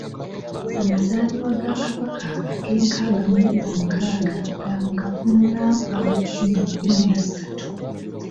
Amazaalibwa ga Kabaka ag'enkaaga mu omukaaga ga mu kafuumulampawu nga kumi nassatu.